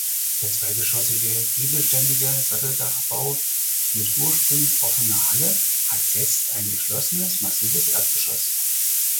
Der zweigeschossige giebelständige Satteldachbau mit ursprünglich offener Halle hat jetzt ein geschlossenes massives Erdgeschoss.